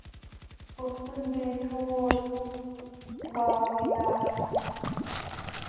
پښتون دې ټول په واویلا شو.